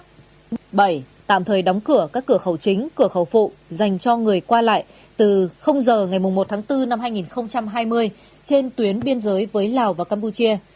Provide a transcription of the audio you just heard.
thứ thời đóng cửa các cửa khẩu chính cửa khẩu phụ dành cho người qua lại từ giờ ngày một tháng bốn năm hai nghìn hai mươi trên tuyến biên giới với lào và campuchia